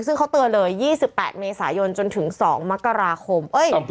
ซึ่งเขาเตือนเลย๒๘เมษายนจนถึง๒มกราคม